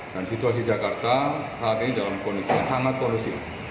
dan situasi jakarta saat ini dalam kondisi yang sangat kondusif